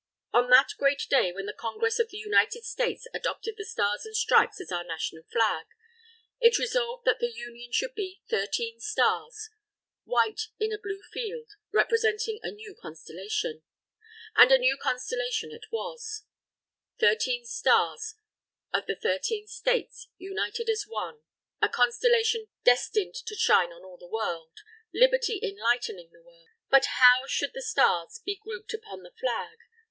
On that great day, when the Congress of the United States adopted the Stars and Stripes as our National Flag, it resolved that the union should be Thirteen Stars, white in a blue field, representing a new Constellation. And a new Constellation it was, Thirteen Stars of the Thirteen States united as one, a Constellation destined to shine on all the World Liberty enlightening the World! But how should the Stars be grouped upon the Flag?